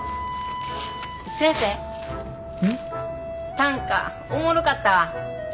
短歌おもろかったわ。